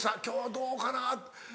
「今日どうかな」。